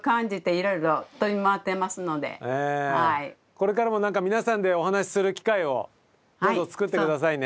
これからも何か皆さんでお話しする機会をどうぞ作って下さいね。